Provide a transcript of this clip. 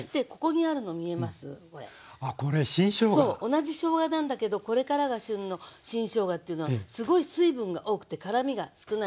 同じしょうがなんだけどこれからが旬の新しょうがというのはすごい水分が多くて辛みが少ないのね。